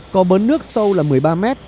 có bớn nước sâu là một mươi ba mét